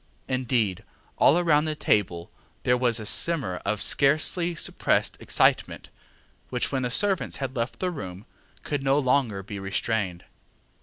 Indeed, all round the table there was a simmer of scarcely suppressed excitement, which, when the servants had left the room, could no longer be restrained.